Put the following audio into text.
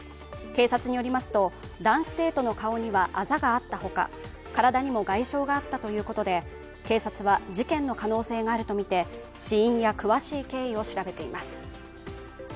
警察によりますと男子生徒の顔にはあざがあったほか、体にも外傷があったということで、警察は事件の可能性があるとみて死因や詳しい経緯を調べています。